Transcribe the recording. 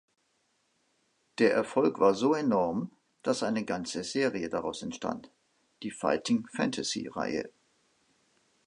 Der Erfolg war so enorm, dass eine ganze Serie daraus entstand: Die Fighting Fantasy-Reihe.